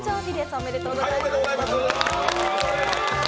おめでとうございます。